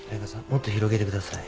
もっと広げてください。